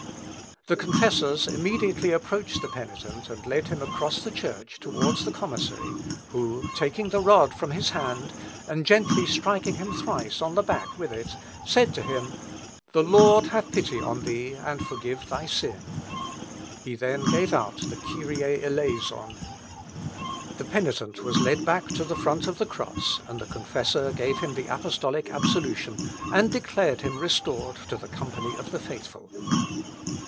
The confessors immediately approached the penitent, and led him across the church towards the commissary, who, taking the rod from his hand, and gently striking him thrice on the back with it, said to him, "The Lord have pity on thee, and forgive thy sin." He then gave out the Kyrie Eleison. The penitent was led back to the front of the cross, and the confessor gave him the apostolic absolution, and declared him restored to the company of the faithful.